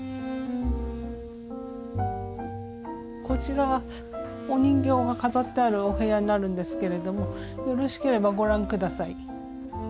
こちらはお人形が飾ってあるお部屋になるんですけれどもよろしければご覧下さい。